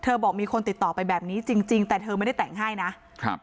บอกมีคนติดต่อไปแบบนี้จริงจริงแต่เธอไม่ได้แต่งให้นะครับ